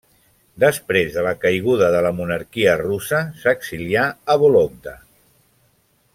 Després de la caiguda de la monarquia russa s'exilià a Vologda.